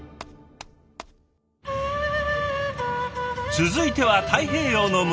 続いては太平洋の向こう。